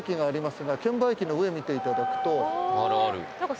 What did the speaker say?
券売機の上見ていただくと。